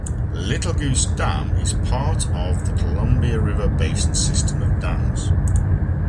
Little Goose Dam is part of the Columbia River Basin system of dams.